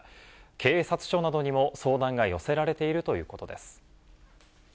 警察署などにも相談が寄せられているということです。